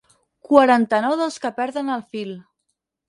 Quaranta-nou dels que perden el fil.